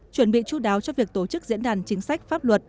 chuẩn bị chú đáo cho việc tổ chức diễn đàn chính sách pháp luật